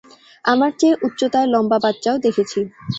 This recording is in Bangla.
আমার চেয়ে উচ্চতায় লম্বা বাচ্চাও দেখেছি।